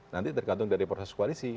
nanti tergantung dari proses koalisi